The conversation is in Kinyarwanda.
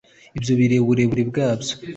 ibyo bireba uburebure bwabyo